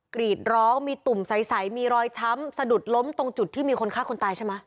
กรีดร้องมีตุ่มใสมีรอยช้ำสะดุดล้มตรงจุดที่มีคนฆ่าคนตายใช่ไหม